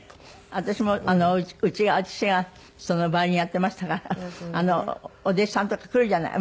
私もうちの父がヴァイオリンやってましたからお弟子さんとか来るじゃない。